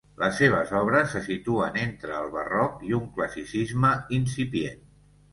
Les seves obres se situen entre el Barroc i un Classicisme incipient.